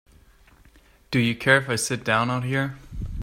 Do you care if I sit down out here?